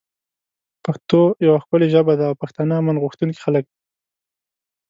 پښتو یوه ښکلی ژبه ده او پښتانه امن غوښتونکی خلک دی